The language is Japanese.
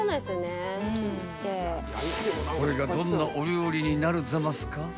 ［これがどんなお料理になるざますか？］